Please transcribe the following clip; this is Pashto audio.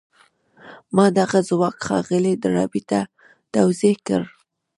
ما دغه ځواک ښاغلي ډاربي ته توضيح کړ.